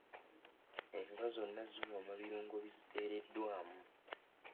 Enva zonna ziwooma birungo biziteereddwamu.